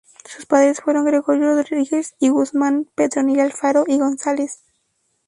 Sus padres fueron Gregorio Rodríguez y Guzmán y Petronila Alfaro y González.